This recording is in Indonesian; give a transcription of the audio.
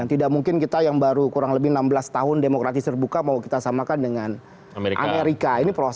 tidak mungkin kita yang baru kurang lebih enam belas tahun demokratis terbuka mau kita samakan dengan amerika